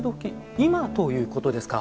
今ということですか。